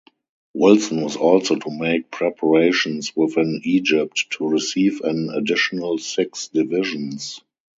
Wilson was also to make preparations within Egypt to receive an additional six divisions.